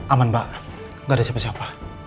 aman mbak gak ada siapa siapa